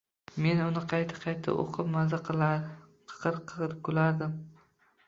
Men uni qayta-qayta o’qib maza qilar, qiqir-qiqir kulardim.